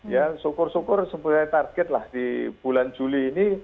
ya syukur syukur sebenarnya target lah di bulan juli ini